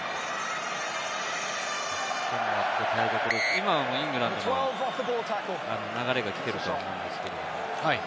今はイングランドの流れが来ていると思うんですけれど。